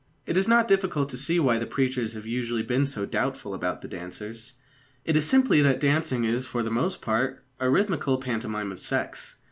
It is not difficult to see why the preachers have usually been so doubtful about the dancers. It is simply that dancing is for the most part a rhythmical pantomime of sex.